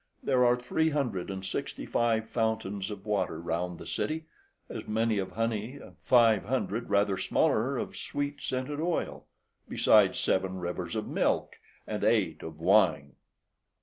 There are three hundred and sixty five fountains of water round the city, as many of honey, and five hundred rather smaller of sweet scented oil, besides seven rivers of milk and eight of wine.